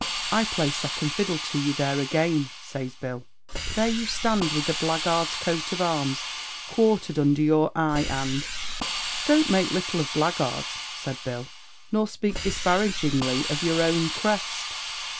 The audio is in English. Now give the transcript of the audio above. "I play second fiddle to you there again," says Bill. "There you stand, with the blackguards' coat of arms quartered under your eye, and " "Don't make little of _black_guards," said Bill, "nor spake disparagingly of your own crest."